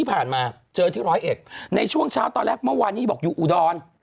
ผ่านมาเจอที่ร้อยเอ็ดในช่วงเช้าตอนแรกเมื่อวานนี้บอกอยู่อุดร